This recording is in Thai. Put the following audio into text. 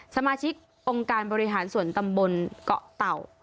สมาชิกองค์การบริหารส่วนตำบลเกาะเต่า